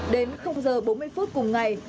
đến h bốn mươi phút cùng ngày